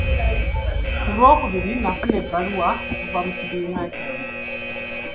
Ku lw'okubiri nafuna ebbaluwa okuva mu kibiina kyange.